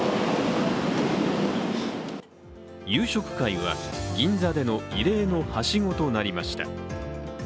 夕食会は銀座での異例のはしごとなりました。